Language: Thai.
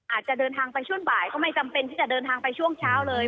อาจจะเดินทางไปช่วงบ่ายก็ไม่จำเป็นที่จะเดินทางไปช่วงเช้าเลย